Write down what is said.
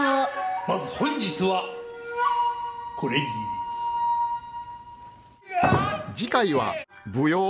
まず本日はこれぎり。